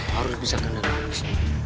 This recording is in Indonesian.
harus bisa kena nangis